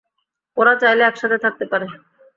ওরা চাইলে একসাথে থাকতে পারে।